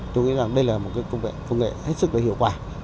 tôi nghĩ đây là một công nghệ hết sức hiệu quả